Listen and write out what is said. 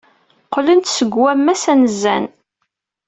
Qqlen-d seg wammas anezzan.